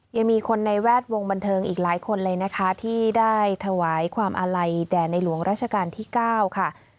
ยังมีคนในแวดวงบันเทิงอีกหลายคนเลยนะคะที่ได้ถวายความอาลัยแด่ในหลวงราชการที่๙ค่ะ